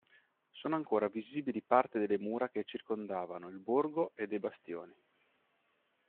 Sono ancora visibili parte delle mura che circondavano il borgo e dei bastioni.